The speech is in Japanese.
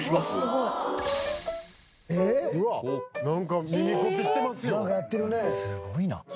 すごいな。